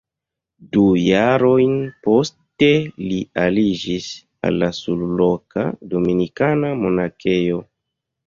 Du jarojn poste li aliĝis al la surloka dominikana monakejo.